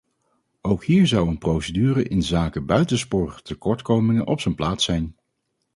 Ook hier zou een procedure inzake buitensporige tekortkomingen op zijn plaats zijn.